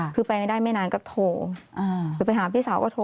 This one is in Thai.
คือไปไม่ได้ไม่นานก็โทรหรือไปหาพี่สาวก็โทร